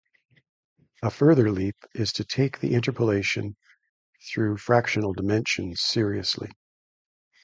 A further leap is to take the interpolation through fractional dimensions seriously.